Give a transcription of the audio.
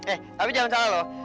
eh tapi jangan salah loh